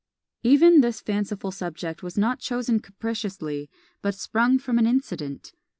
Even this fanciful subject was not chosen capriciously, but sprung from an incident.